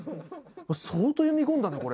相当読み込んだね、これ。